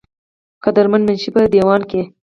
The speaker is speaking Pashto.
قدر مند منشي پۀ دېوان کښې